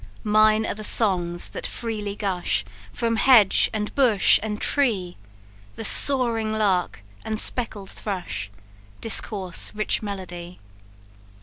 Mine are the songs that freely gush From hedge, and bush, and tree; The soaring lark and speckled thrush Discourse rich melody.